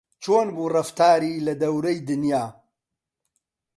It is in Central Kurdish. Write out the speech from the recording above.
چۆن بوو ڕەفتاری لە دەورەی دونیا